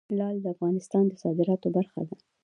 لعل د افغانستان د صادراتو برخه ده.